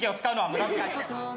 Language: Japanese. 無駄遣い。